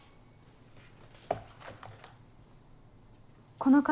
この方